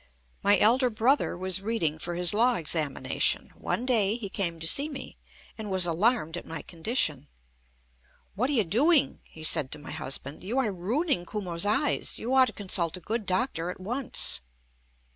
My elder brother was reading for his law examination. One day he came to see me, and was alarmed at my condition. "What are you doing?" he said to my husband. "You are ruining Kumo's eyes. You ought to consult a good doctor at once."